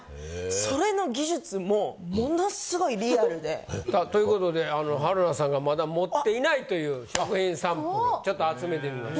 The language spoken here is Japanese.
それの技術ももの凄いリアルで。ということで春菜さんがまだ持っていないという食品サンプルちょっと集めてみました。